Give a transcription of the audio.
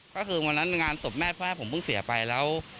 ก็คือวันนั้นงานศพแม่พ่อแม่ผมเพิ่งเสียไปแล้ว